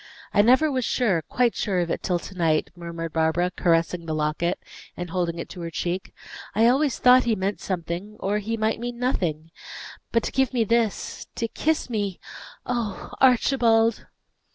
"I never was sure, quite sure of it till to night," murmured Barbara, caressing the locket, and holding it to her cheek. "I always thought he meant something, or he might mean nothing: but to give me this to kiss me oh Archibald!"